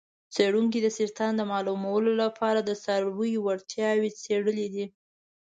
څیړونکو د سرطان د معلومولو لپاره د څارویو وړتیاوې څیړلې دي.